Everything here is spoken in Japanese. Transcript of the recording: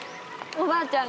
おばあちゃん。